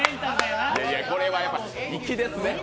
これはやっぱりイキですね。